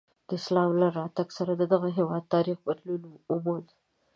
د اسلام له راتګ سره د دغه هېواد تاریخ بدلون وموند.